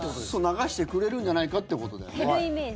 流してくれるんじゃないかってことだよね。